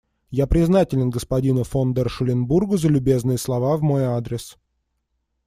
Я признателен господину фон дер Шуленбургу за любезные слова в мой адрес.